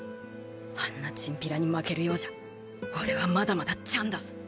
あんなチンピラに負けるようじゃ俺はまだまだ「ちゃん」だ。